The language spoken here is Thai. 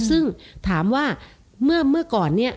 ซึ่งถามว่าเมื่อก่อนเนี่ย